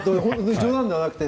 冗談じゃなくて。